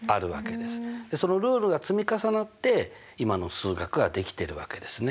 そのルールが積み重なって今の数学が出来てるわけですね。